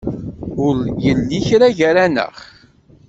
Ur yelli kra gar-aneɣ.